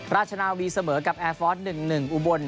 ราชนาวีเสมอกับแอร์ฟอร์ส๑๑อุบล